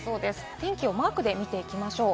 天気をマークで見ていきましょう。